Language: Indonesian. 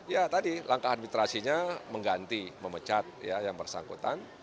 ya tadi langkah administrasinya mengganti memecat yang bersangkutan